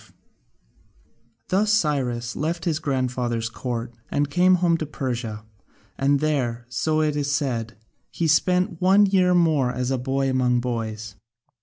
5] Thus Cyrus left his grandfather's court and came home to Persia, and there, so it is said, he spent one year more as a boy among boys.